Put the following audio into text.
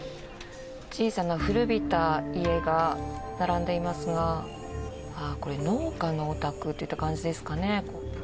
小さな古びた家が並んでいますがこれ、農家のお宅といった感じですかね。